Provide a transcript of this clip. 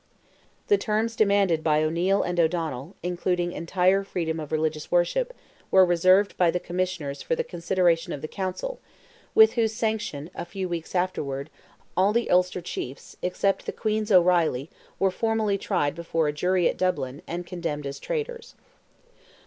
The terms demanded by O'Neil and O'Donnell, including entire freedom of religious worship, were reserved by the Commissioners for the consideration of the Council, with whose sanction, a few weeks afterwards, all the Ulster chiefs, except "the Queen's O'Reilly," were formally tried before a jury at Dublin, and condemned as traitors.